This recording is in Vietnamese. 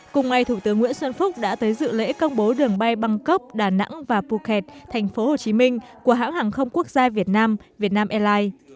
cùng ngày thủ tướng nguyễn xuân phúc đã tới dự lễ công bố đường bay bangkok đà nẵng và phuket thành phố hồ chí minh của hãng hàng không quốc gia việt nam việt nam airlines